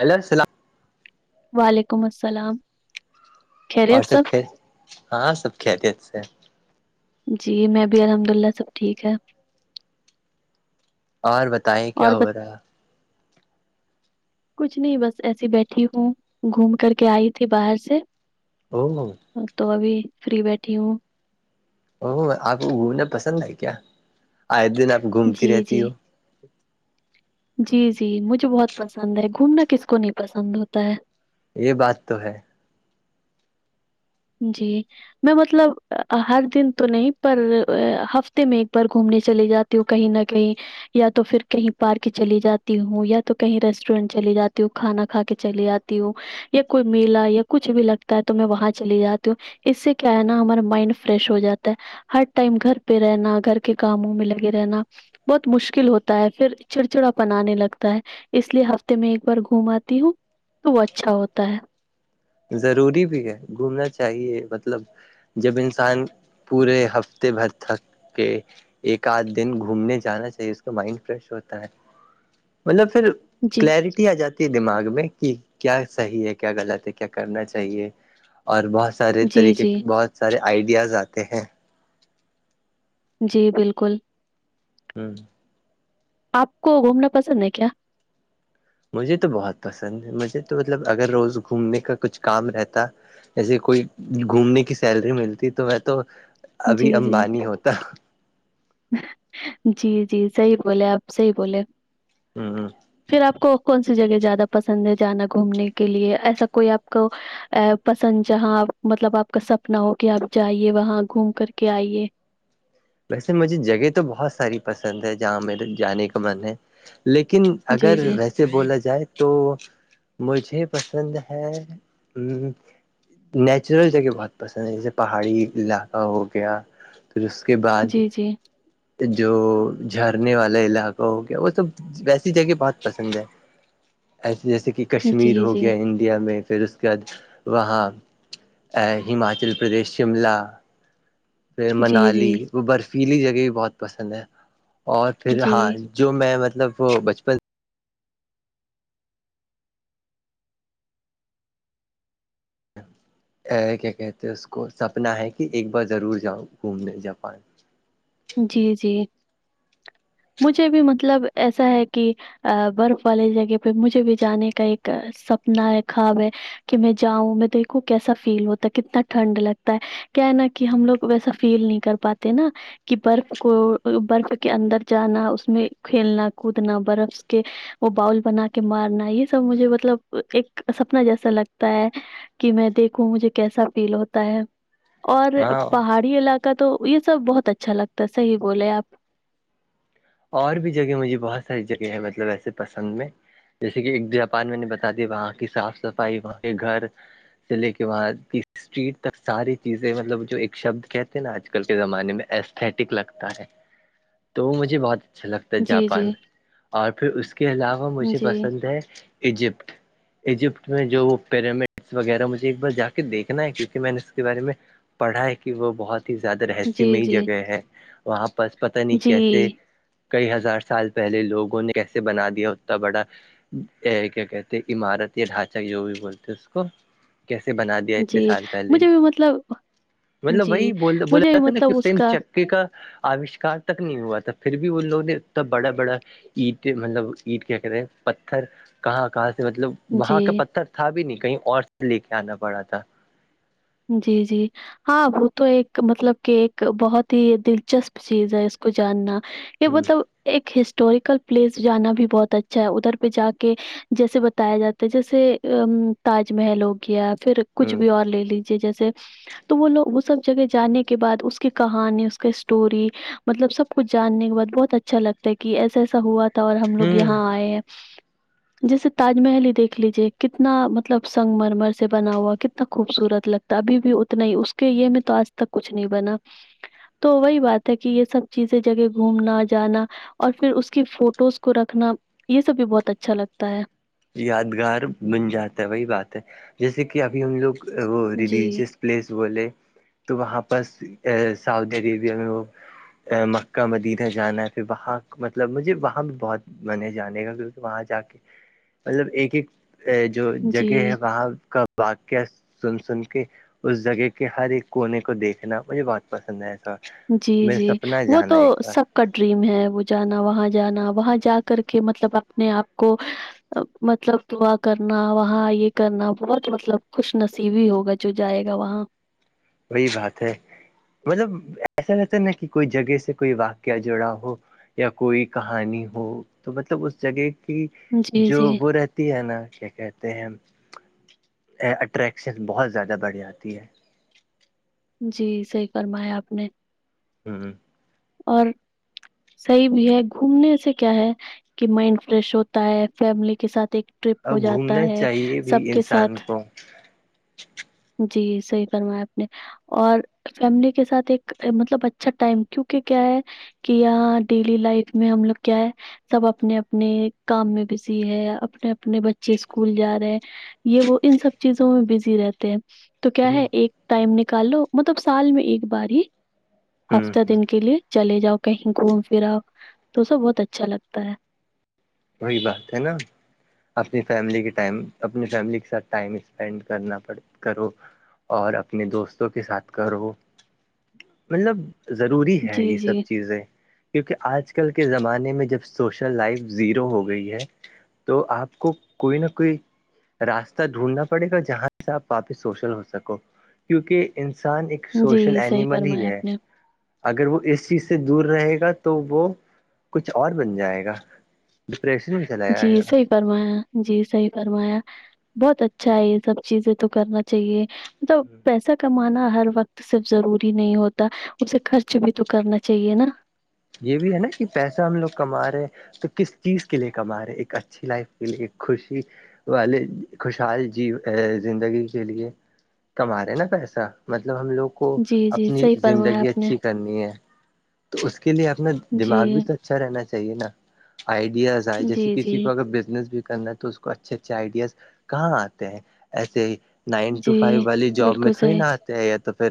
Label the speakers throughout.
Speaker 1: ال سلام [inaudible]
Speaker 2: وعلیکم السلام
Speaker 1: اور سب ک ہاں سب کھیتے اچ سے
Speaker 2: جی میں بھی الحمد اللہ سب ٹھیک ہے
Speaker 1: اور بتائیں
Speaker 2: اور
Speaker 1: کیا
Speaker 2: ب
Speaker 1: ہو رہا
Speaker 2: کچھ نہیں بس ایسی بیٹھی ہوں گھوم کر کے آئی تھی باہر سے
Speaker 1: باں مم [inaudible]
Speaker 2: تو ابھی فری بیٹھی ہوں
Speaker 1: او آپ کو گھومنا پسند ہےئے کیا آئے دن آپ گھومتی
Speaker 2: جی
Speaker 1: رہتی
Speaker 2: جی
Speaker 1: ہو
Speaker 2: جی جی مجھے بہت پسند ہے گھومنا کس کو نہیں پسند ہوتا ہے
Speaker 1: یہ بات تو ہے
Speaker 2: جی میں مطلب ہر دن تو نہیں پر ہفتے میں ایک بار گھومنے چلے جات تو کہیں نہ کہیں یا تو پھر کہیں پارک چلی جاتی ہوں یا تو کہیں ریسٹورینٹ چلی جاتی ہوں کھانا کھا کے چلی آتی ہوں یا کوئی میلا یا کچھ بھی لگتا ہے تو میں وہاں چلی جاتی ہوں اس سے کیا ہے نا ہمار مائنڈ فریش ہو جاتا ہے ہر ٹائم گھر پہ رہنا گھر کے کاموں میں لگے رہنا بہت مشکل ہوتا ہے پھر چڑچڑا پنانے لگتا ہے اس لیے ہفتے میں ایک بار گھوم آتی ہوں تو وہ اچھا ہوتا ہے
Speaker 1: ضروری بھی ہے گھومنا چاہیے مطلب جب انسان پورے ہفتے بھر تھک کے ایک آدھ دن گھومنے جانا چاہیے اس کا مائنڈ فریش ہوتا ہے مطلب پھر
Speaker 2: جی،
Speaker 1: کلیرٹی آ جاتی ہے دماغ میں کہ کیا صحیح ہے کیا غلط ہے کیا کرنا چاہیے اور بہت سارے
Speaker 2: جی،
Speaker 1: طریقے
Speaker 2: جی،
Speaker 1: بہت سارے آئیڈیاز آتے ہیں
Speaker 2: جی بالکل
Speaker 1: ہوں
Speaker 2: آپ کو گھومنا پسند ہے کیا
Speaker 1: مجھے تو بہت پسند ہے مجھے تو مطلب اگر روز گھومنے کا کچھ کام رہتا جیسے کوئی گھومنے کی سیلری ملتی تو وہ تو
Speaker 2: جی
Speaker 1: ابھی
Speaker 2: جی
Speaker 1: امبانی ہوتا
Speaker 2: جی جی صحیح بولے آپ صحیح بولے
Speaker 1: ہ
Speaker 2: پھر آپ کو کون سی جگہ زیادہ پسند ہے جانا گھومنے کے لیے ایسا کوئی آپ کو ا پسند جہاں آپ مطلب آپ کا سپنا ہو کہ آپ جائیے وہاں گھوم کر کے آئیے
Speaker 1: ویسے مجھے جگہ تو بہت ساری پسند ہے جہاں میرے جانے کا من ہے لیکن اگر
Speaker 2: جی جی
Speaker 1: ویسے سے بولا جائے تو مجھے پسند ہے ا نیچرل جگہ بہت پسند ہیں جیسے پہاڑی علاقہ ہو گیا پھر کے بعد
Speaker 2: جی جی
Speaker 1: جو جھرنے والا علاقہ ہو گیا وہ سب ویسی جگہ بہت پسند ہے ایسے جیسے کہ
Speaker 2: جی
Speaker 1: کشمیر
Speaker 2: جی
Speaker 1: ہو گیا انڈیا میں پھر اس کے بعد وہاں ہماچل پردیش شملہ پھر
Speaker 2: جی
Speaker 1: منالی وہ برفیلی جگہ بھی بہت پسند ہے اور پھر ہاں
Speaker 2: جی
Speaker 1: جو میں مطلب وہ بچپن کیا کہتے ہیں اس کو سپنا ہے کہ ایک بار ضرور جاؤں گھومنے جاپان
Speaker 2: جی جی مجھے بھی مطلب ایسا ہے کہ برف والے جگہ پہ مجھے بھی جانے کا ایک سپنا ہے خواب ہے کہ میں جاؤں میں دیکھوں کیسا فیل ہوتا ہے کتنا ٹھنڈ لگتا ہے کیا ہے نا کہ ہم لوگ ویسا فیل نہیں کر پاتے نا کہ برف کو برف کے اندر جانا اس میں کھیلنا کودنا برف کے وہ باؤل بنا کے مارنا یہ سب مجھے مطلب ایک سپنا جیسا لگتا ہے کہ میں دیکھوں مجھے کیسا فیل ہوتا ہے اور
Speaker 1: ہاں
Speaker 2: پہاڑی علاقہ تو یہ سب بہت اچھا لگتا ہے صحیح بولے آپ
Speaker 1: اور بھی جگہ مجھے بہت ساری جگہ ہے مطلب ایسے پسند میں جیسے کہ ایک جاپان میں نے بتا دییا وہاں کی صاف صفائی وہاں کے گھر چلے کے بعد اسٹریٹ تک ساری چیزیں مطلب جو ایک شبد کہتے ہیں نا آج کل کے زمانے میں ایستھیٹک لگتا ہے تو وہ مجھے بہت اچھا لگتا ہے
Speaker 2: جی، جی،
Speaker 1: جاپان اور پھر اس کے علاوہ مجھے
Speaker 2: جی۔
Speaker 1: پسند ہے ایجپٹ ایجپٹ میں جو وہ پیرامڈ وغیرہ مجھے ایک بار جا کے دیکھنا ہے کیونکہ میں نے اس کے بارے میں پڑھا ہے کہ وہ بہت ہی زیادہ
Speaker 2: جی,
Speaker 1: رہسیہمئی
Speaker 2: جی,
Speaker 1: جگہ ہے وہاں پر پتا نہیں
Speaker 2: جی,
Speaker 1: کیسے کئی ہزار سال پہلے لوگوں نے کیسے بنا دیا اتنا بڑا کیا کہتے ہے عمارت یا ڈھانچہ جو بھی بولتے اس کو کیسے بنا دیا
Speaker 2: جی,
Speaker 1: اتنے سال پہلے
Speaker 2: مجھے بھی مطلب
Speaker 1: مطلب
Speaker 2: جی،
Speaker 1: وہی بولا
Speaker 2: مجھے بھی
Speaker 1: جاتا ہے نا کہ
Speaker 2: مطلب
Speaker 1: اس ٹائم
Speaker 2: کا
Speaker 1: چککے کا آوشکار تک نہیں ہوا تھا پھر بھی بھی وہ لوگ نے اتنا بڑا بڑا اینٹے مطلب اینٹ کیا کہتے ہیں پتھر کہاں کہاں سے مطلب وہاں کا
Speaker 2: جی,
Speaker 1: پتھر تھا بھی نہیں کہیں اور لے کے آنا پڑا تھا
Speaker 2: جی جی ہاں وہ تو ایک مطلب کہ ایک بہت ہی دلچسپ چیز ہے اس کو جاننا یہ
Speaker 1: ہ
Speaker 2: مطلب ایک ہسٹوریکل پلیس جانا بھی بہت اچھا ہے ادھر پہ جا کے جیسے بتایا جاتا ہے جیسے تاج محل ہو گیا پھر کچھ
Speaker 1: ہ
Speaker 2: بھی اور لے لیجیے جیسے تو وہ لوگ وہ سب جگہ جانے کے بعد اس کی کہانی اس کے اسٹوری مطلب سب کچھ جاننے کے بعد بہت اچھا لگتا ہے کہ ایسا ایسا ہوا تھا اور ہم لوگ
Speaker 1: ہ
Speaker 2: یہاں آئے ہیں جیسے تاج محل ہی دیکھ لیجے کتنا مطلب سنگ مر مر سے بنا ہوا کتنا خوبصورت لگتا تبھی بھی اتنا ہی اس کے یہ میں تو آج تک کچھ نہیں بنا تو وہی بات ہے کہ یہ سب چیزیں جگہ گھومنا جانا اور پھر اس کی فوٹوز کو رکھنا یہ سب بھی بہت اچھا لگتا ہے
Speaker 1: یادگار بن جاتا ہے وہی بات ہے جیسے کہ ابھی ہم لوگ وہ
Speaker 2: جی
Speaker 1: ریلیجیس پلیس بولے تو وہاں پر سعودی عربیہ میں وہ مکہ مدینہ جانا ہے پھر وہاں مطلب مجھے وہاں بھی بہت میں نے جانے گا کیونکہ وہاں جا کے مطلب ایک ایک جو
Speaker 2: جی
Speaker 1: جگہ ہے وہاں کا واقع سن سن کے اس جگہ کے ہر ایک کونے کو دیکھنا مجھے بہت پسند ہے ایسا
Speaker 2: جی
Speaker 1: میرا
Speaker 2: جی
Speaker 1: سپنا ہے
Speaker 2: وہ تو
Speaker 1: جانا ایک بار
Speaker 2: سب کا ڈریم ہے وہ جانا وہاں جانا وہاں جا کر کے مطلب اپنے آپ کو مطلب دعا کرنا وہاں یہ کرنا بہت مطلب خوش نصیبی ہوگا جو جائے گا وہاں
Speaker 1: وہی بات ہے مطلب ایسا رہتا ہے نا کہ کوئی جگہ سے کوئی واقعہ جڑا ہو یا کوئی کہانی ہو تو مطلب اس جگہ کی
Speaker 2: جی
Speaker 1: جو
Speaker 2: جی
Speaker 1: وہ رہتی ہے نا کیا کہتے ہیں اٹریکشن بہت زیادہ بڑھ جاتی ہے
Speaker 2: جی صحیح کرمایا آپ نے
Speaker 1: ہوں ہ
Speaker 2: اور صحیح بھی ہے گھومنے سے کیا ہے کہ مائنڈ فریش ہوتا ہے فیملی کے ساتھ ایک ٹرپ
Speaker 1: اور
Speaker 2: ہو جاتا
Speaker 1: گھومنا
Speaker 2: ہے
Speaker 1: چاہیے بھی
Speaker 2: سب کے
Speaker 1: انسان
Speaker 2: ساتھ
Speaker 1: کو
Speaker 2: جی صحیح فرمایا آپ نے اور فیملی کے ساتھ ایک مطلب اچھا ٹائم کیونکہ کیا ہے کہ ڈیلی لائف میں ہم لوگ کیا ہے سب اپنے اپنے کام میں بزی ہے اپنے اپنے بچے اسکول جا رہے ہیں یہ وہ ان سب چیزوں میں بزی رہتے ہیں تو کیا
Speaker 1: ہ
Speaker 2: ہے ایک ٹائم نکال لو مطلب سال میں ایک بار ہی ہفتہ
Speaker 1: ہ
Speaker 2: دن کے لیے چلے جاؤ کہیں گھوم پھراؤ تو سب بہت اچھا لگتا ہے
Speaker 1: وہی بات ہے نا [unintelligible] اپنی فیملی کے ٹائم اپنی فیملی کے ساتھ ٹائم اسپینڈ کرنا کرو اور اپنے دوستوں کے ساتھ کرو مطلب ضروری ہے
Speaker 2: جی
Speaker 1: یہ سب
Speaker 2: جی
Speaker 1: چیزیں کیونکہ آج کل کے زمانے میں جب سوشل لائف زیرو ہو گئی ہے تو آپ کو کوئی نہ کوئی راستہ ڈھونڈنا پڑے گا جہاں سے آپ واپس سوشل ہو سکو کیونکہ انسان ایک
Speaker 2: جی
Speaker 1: سوشل
Speaker 2: صحیح
Speaker 1: اینیمل ہی
Speaker 2: فرمایا
Speaker 1: ہے
Speaker 2: آپ نے
Speaker 1: [unintelligible] اگر وہ اس چیز سے دور رہے گا تو وہ کچھ اور بن جائے گا ڈپریشن میں چلا جائے
Speaker 2: جی
Speaker 1: گا
Speaker 2: صحیح فرمایا جی صحیح فرمایا بہت اچھا ہے یہ سب چیزیں تو کرنا چاہیے تو پیسہ [inaudible] کمانا ہر وقت صرف ضروری نہیں ہوتا اسے خرچ بھی تو کرنا چاہیے نا
Speaker 1: یہ بھی ہے نا کہ پیسہ ہم لوگ کما رہے ہیں تو کس چیز کے لے کماارے ایک اچھی لائف فیل ایک خوشی والے خوشحال جی زندگی کے لیے کمارے ہیں نا پیسا مطلب ہم لوگ کو
Speaker 2: جی جی
Speaker 1: اپنی
Speaker 2: صحیح فرمایا
Speaker 1: زندگی
Speaker 2: آپ نے
Speaker 1: اچھی کرنی ہے تو اس کے لیے اپنا
Speaker 2: جی
Speaker 1: دماغ بھی اچھا رہنا چاہیے نا آئیڈیاز آئے جیسے
Speaker 2: جی
Speaker 1: کسی
Speaker 2: جی
Speaker 1: کو اگر بزنس بھی کرنا تو اس اچھے اچھے آئیڈیاز کہاں آتے ہیں ایسے ہی نائن ٹو
Speaker 2: جی
Speaker 1: فائیو والی جاب میں
Speaker 2: بالکل
Speaker 1: تھی
Speaker 2: صحیح
Speaker 1: نا آج [unintelligible] یا تو پھر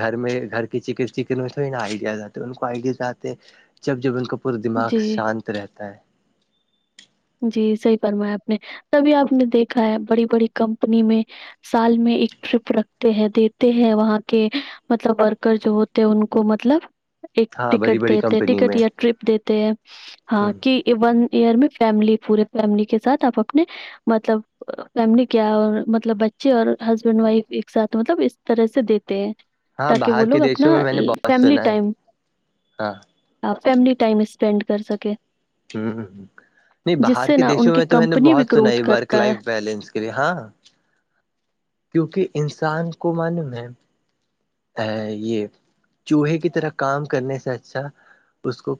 Speaker 1: گھر میں گھر کی چکن چکن میں تھوڑ نا آئیڈیا تو ان کو آئیڈیز آتے ہیں جب جب ان کا پورا دماغ
Speaker 2: جی
Speaker 1: شانت رہتا ہے
Speaker 2: جی صحی فرمایا آپ نے تبھی آپ نے دیکھا ہے بڑی بڑی کمپنی میں سال میں ایک ٹرپ رکھتے ہیں دیتے ہیں وہاں کے مطلب ورکر جو ہوتے ہیں ان کو مطلب ایک
Speaker 1: ہاں بڑی
Speaker 2: ٹکٹ
Speaker 1: بڑی
Speaker 2: دیتے
Speaker 1: کمپنی
Speaker 2: ٹکٹ
Speaker 1: میں
Speaker 2: یا ٹرپ دیتے ہیں
Speaker 1: ہ
Speaker 2: ہاں کہ ون ایئر میں فیملی پورے فیملی کے ساتھ آپ اپنے مطلب فیملی کیا اور مطلب بچے اور ہسبینڈ وائف ایک ساتھ مطلب اس طرح سے دیتے ہیں
Speaker 1: ہاں
Speaker 2: تاکہ وہ
Speaker 1: باہر کے
Speaker 2: لوگ اپنا
Speaker 1: دیشوں میں میں نے بہت
Speaker 2: فیملی
Speaker 1: سنا ہے
Speaker 2: ٹائم
Speaker 1: ہاں
Speaker 2: آپ فیملی ٹائم اسپینڈ کر سکے
Speaker 1: ہ نہیں باہر
Speaker 2: سے
Speaker 1: کے
Speaker 2: نا ان
Speaker 1: دیشوں
Speaker 2: کی
Speaker 1: میں تو میں نے
Speaker 2: کمپنی بھی
Speaker 1: بہت
Speaker 2: گروتھ
Speaker 1: سنائی بک
Speaker 2: کرتا ہے۔
Speaker 1: لائف بیلنس کے لیے ہاں کیونکہ انسان کو معلوم ہے یہ چوہے کی طرح کام کرنے سے اچھا اس کو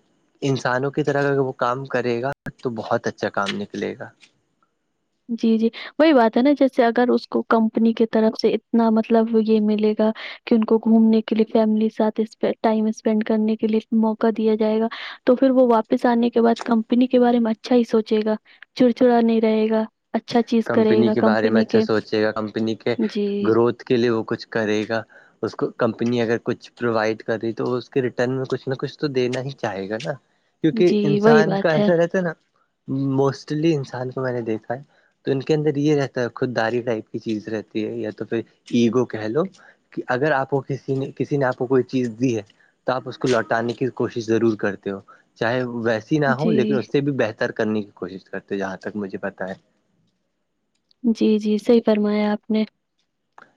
Speaker 1: انسانوں کی طرح اگر وہ کام کرے گا تو بہت اچھا کام نکلے گا
Speaker 2: جی جی وہی بات ہے نا جیسے اگر اس کو کمپنی کی طرف سے اتنا مطلب یہ ملے گا کہ ان کو گھومنے کے لیے فیملی سات ٹائم اسپینڈ کرنے کے لیے موقع دیا جائے گا تو پھر وہ واپس آنے کے بعد کمپنی کے بارے میں اچھا ہی سوچے گا چڑچڑا نہیں رہے گا اچھا چیز کرے
Speaker 1: کمپنی
Speaker 2: گا
Speaker 1: کے بارے میں
Speaker 2: کمپنی
Speaker 1: اچھا
Speaker 2: کے
Speaker 1: سوچے گا کمپنی کے
Speaker 2: جی،
Speaker 1: گروتھ کے لیے وہ کچھ کرے گا اس کو کمپنی اگر کچھ پرووائڈ کری تو اس کے ریٹرن میں کچھ نہ کچھ تو دینا ہی چاہے گا نا کیونکہ
Speaker 2: جی، وہی
Speaker 1: انسان کا
Speaker 2: بات
Speaker 1: ایسا رہتا ہے نا موسٹلی انسان کو میں نے دیکھا ہے تو ان کے اندر یہ رہتا ہے خود داری ٹائپ کی چیز رہتی ہے یا تو پھر ایگو کہہ لو کہ اگر آپ کو کسی نے کسی نے آپ کو کوئی چیز دی ہے تو آپ اس کو لوٹانے کی کوشش ضرور کرتے ہو چاہے وہ ویسے نہ ہو
Speaker 2: جی،
Speaker 1: لیکن اس سے بھی بہتر کرنے کی کوشش کرتے جہاں تک مجھے پت ہے
Speaker 2: جی جی صحیح فرمایا آپ نے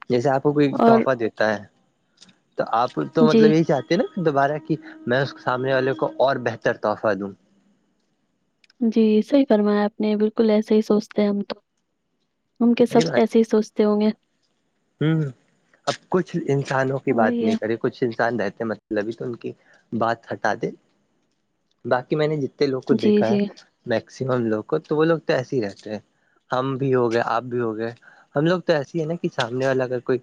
Speaker 1: جیسے آپ کو کوئی
Speaker 2: اور
Speaker 1: تحفہ دیتا ہے تو آپ تو
Speaker 2: جی،
Speaker 1: مطلب یہی چاہتے نا دوبارہ کہ میں اس سامنے والے کو اور بہتر تحفہ دوں
Speaker 2: جی صح ہی فرمایا آپ نے بالکل ایسے ہی سوچتے ہیں ہم تو ان کے سب
Speaker 1: یہی بات
Speaker 2: ایسے ہی سوچتے ہوں گے
Speaker 1: ہوں اب کچھ انسانوں کی بات
Speaker 2: وہی ہے،
Speaker 1: نہیں کرے کچھ انسان رہتے مطلب ہی تو ان کی بات ہٹا دے باقی میں نے جتنے لوگ کو
Speaker 2: جی،
Speaker 1: دیکھا ہے
Speaker 2: جی۔
Speaker 1: میکسیمم لوگ کو تو وہ لوگ تو ایسے ہی رہتے ہیں ہم بھی ہو گئے آپ بھی ہو گئے ہم لوگ تو ایسیے ہے نا کہ سامنے والا اگر کوئی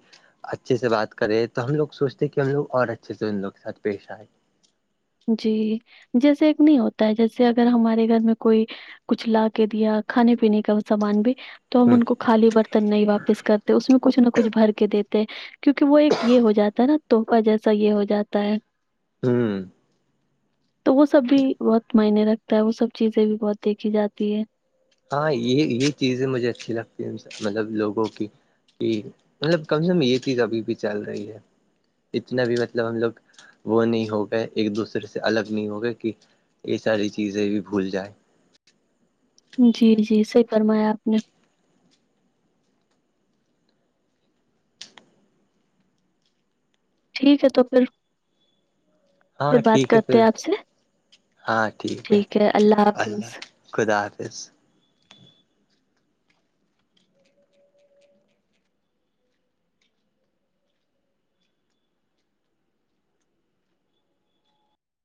Speaker 1: اچھے سے بات کرے تو ہم لوگ سوچتے ہیں کہ ہم لوگ اور اچھے سے ان لوگ کے سات پیش آئے
Speaker 2: جی جیسے ایک نہیں ہوتا ہے جیسے اگر ہمارے گھر میں کوئی کچھ لا کے دیا کھانے پینے کا سامان بھی تو ہم
Speaker 1: ہ
Speaker 2: ان کو خالی برتن نہیں واپس کرتے اس میں کچھ نہ کچھ بھر کے دیتے کیونکہ وہ ایک یہ ہو جاتا ہے نا تحفہ جیسا یہ ہو جاتا ہے
Speaker 1: ہوں
Speaker 2: تو وہ سب بھی بہت معنی رکھتا ہے وہ سب چیزیں بھی بہت دیکھی جاتی ہے
Speaker 1: ہاں یہ یہ چیزیں مجھے اچھی لگتی ہے مطلب لوگوں کی کہ مطلب کم سے کم یہ چیز ابھی بھی چل رہی ہے جتنا بھی مطلب ہم لوگ وہ نہیں ہو گئے ایک دوسرے سے الگ نہیں ہو گئے کہ یہ ساری چیزیں بھی بھول جائیں
Speaker 2: جی جی صحیح فرمایا آپ نے ٹھیک ہے تو پھر پھر
Speaker 1: ہاں
Speaker 2: بات
Speaker 1: ٹھیک ہے
Speaker 2: کرتے
Speaker 1: پھر
Speaker 2: ہیں آپ سے
Speaker 1: ہاں ٹھیک ہے اللہ خدا حافظ